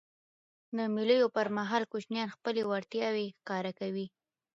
د مېلو پر مهال کوچنيان خپلي وړتیاوي ښکاره کوي.